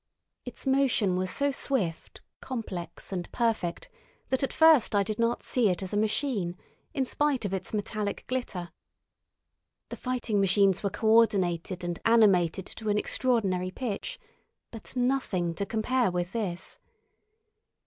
Its motion was so swift, complex, and perfect that at first I did not see it as a machine, in spite of its metallic glitter. The fighting machines were coordinated and animated to an extraordinary pitch, but nothing to compare with this.